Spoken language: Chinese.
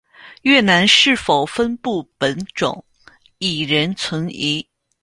越南是否分布本种亦仍存疑。